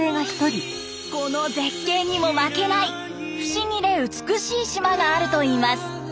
この絶景にも負けない不思議で美しい島があるといいます。